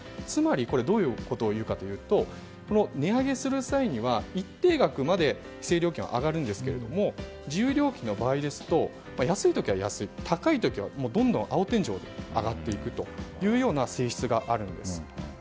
どういうことをいうかというと値上げする際には一定額まで規制料金は上がるんですけども自由料金の場合ですと安い時は安い、高い時は青天井で上がっていくというような性質があるんです。